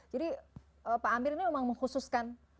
jadi pak amir ini memang mengkhususkan